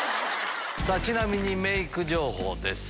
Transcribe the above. ちなみにメイク情報です。